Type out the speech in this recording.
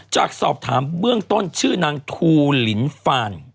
จากสอบถามเบื้องต้นชื่อนางทูลินฟาน